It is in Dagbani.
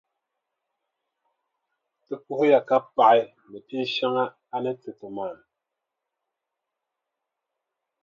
Ti puhiya ka paɣi ni pinʼ shɛŋa a ni ti ti maa.